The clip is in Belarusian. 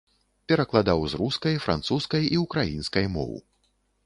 Перакладаў з рускай, французскай і ўкраінскай моў.